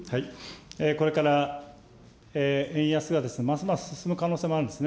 これから円安がますます進む可能性もあるんですね。